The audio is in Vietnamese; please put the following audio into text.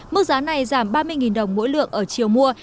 mức giá này giảm ba mươi đồng mỗi lượng ở chiều mua